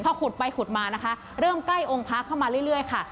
พอขุดไปขุดมานะคะเริ่มใกล้องค์พระเข้ามาเรื่อยค่ะ